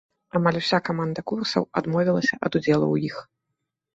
Амаль уся каманда курсаў адмовілася ад удзелу ў іх.